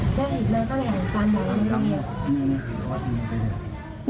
ใช่เห็นไหมก็แหล่งตามแบบนี้